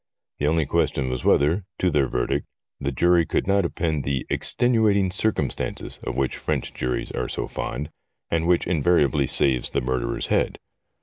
The only question was whether, to their verdict, the jury could not append the ' extenuating circumstances ' of which French juries are so fond, and which invariably saves the murderer's head.